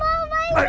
om gak mau bayi